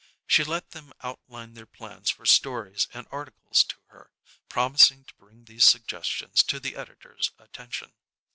She let them outline their plans for stories and articles to her, promising to bring these suggestions to the editor's attention.